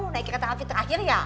naik keterapi terakhir ya